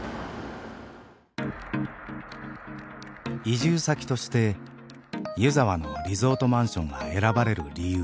移住先として湯沢のリゾートマンションが選ばれる理由。